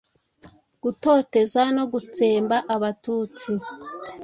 gutoteza no gutsemba abatutsi